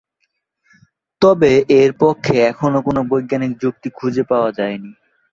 তবে এর পক্ষে এখনও কোনো বৈজ্ঞানিক যুক্তি খুজে পাওয়া যায়নি।